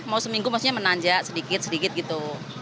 mau seminggu maksudnya menanjak sedikit sedikit gitu